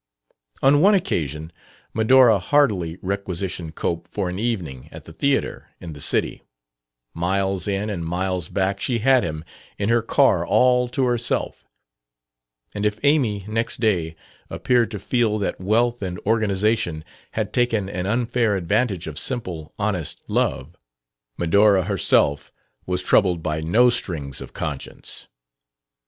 On one occasion Medora hardily requisitioned Cope for an evening at the theatre, in the city; miles in and miles back she had him in her car all to herself; and if Amy, next day, appeared to feel that wealth and organization had taken an unfair advantage of simple, honest love, Medora herself was troubled by no stirrings of conscience.